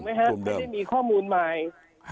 ถูกไหมคะจะได้มีข้อมูลใหม่